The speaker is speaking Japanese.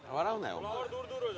お前。